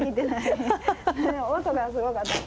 音がすごかった。